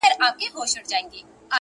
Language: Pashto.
بې خبره له جهانه،